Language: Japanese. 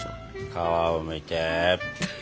皮をむいて。